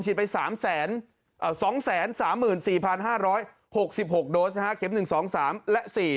ไป๓๒๓๔๕๖๖โดสเข็ม๑๒๓และ๔